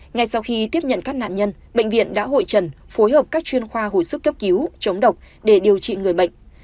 ngay sau khi tiếp nhận các nạn nhân bệnh viện đã hội trần phối hợp các chuyên khoa hồi sức cấp cứu chống độc để điều trị người bệnh